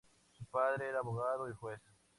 Su padre era abogado y juez.